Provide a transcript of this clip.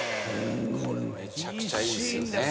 これめちゃくちゃいいですよね。